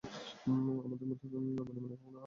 আমাদের মধ্যে বনিবনা কখনোই হবে না।